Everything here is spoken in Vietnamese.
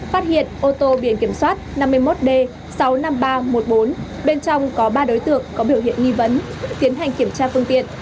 phát hiện ô tô biển kiểm soát năm mươi một d sáu mươi năm nghìn ba trăm một mươi bốn bên trong có ba đối tượng có biểu hiện nghi vấn tiến hành kiểm tra phương tiện